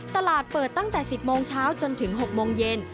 ตลาดเปิดตั้งแต่๑๐โมงเช้าจนถึง๖โมงเย็น